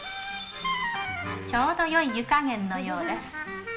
ちょうどよい湯加減のようです。